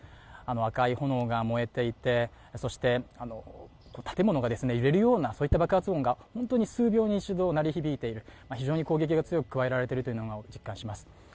赤い炎が燃えていて、そして、建物が揺れるような爆発音が数秒に一度鳴り響いている、非常に攻撃が強く加えられているということを実感します。